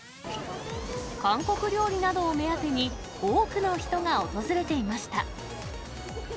韓国料理などを目当てに、多くの人が訪れていました。